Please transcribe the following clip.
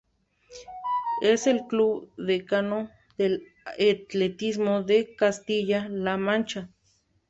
Es el club decano del atletismo de Castilla-La Mancha.